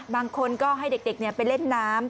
บางคนก็ให้เด็กไปเล่นน้ำ